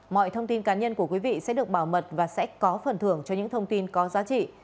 mọi thông tin cá nhân của quý vị sẽ được bảo mật và sẽ có phần thưởng cho những thông tin có giá trị